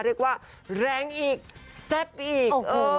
เรียกว่าแรงอีกแซ่บอีก